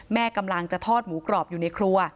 แม่กำลังจะทอดหมูกรอบอยู่ในครัว